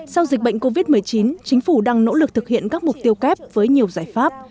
sau dịch bệnh covid một mươi chín chính phủ đang nỗ lực thực hiện các mục tiêu kép với nhiều giải pháp